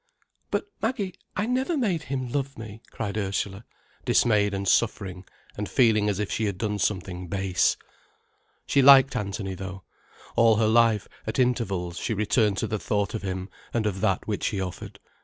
"But, Maggie, I never made him love me," cried Ursula, dismayed and suffering, and feeling as if she had done something base. She liked Anthony, though. All her life, at intervals, she returned to the thought of him and of that which he offered.